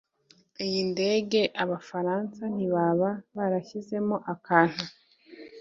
Iyi ndege abafaransa ntibaba barashyizemo akantu?